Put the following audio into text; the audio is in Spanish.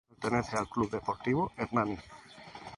Pertenece al Club Deportivo Hernani.